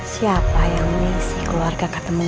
siapa yang mengisi keluarga ketemu